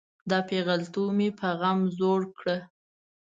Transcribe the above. دا پیغلتوب مې په غم زوړ کړه.